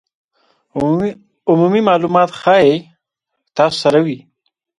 عمومي مالومات ښایي تاسو سره وي